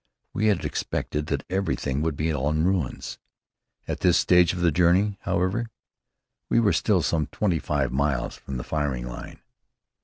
We had expected that everything would be in ruins. At this stage of the journey, however, we were still some twenty five miles from the firing line.